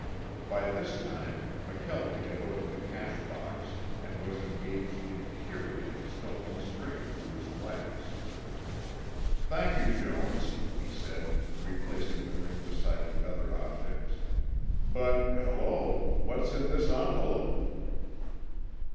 By this time McKelvie had opened the cash box and was engaged in peering at the stoneless ring through his lens. "Thank you, Jones," he said, replacing the ring beside the other objects. "But, hello, what's in this envelope?"